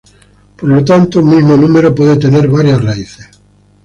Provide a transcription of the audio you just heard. Por lo tanto, un mismo número puede tener varias raíces.